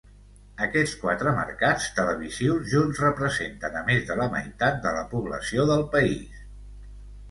Aquests quatre mercats televisius junts representen a més de la meitat de la població del país.